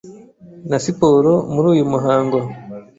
na Siporo muri uyu muhango,